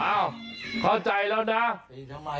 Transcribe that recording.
อ้าวเข้าใจแล้วนะ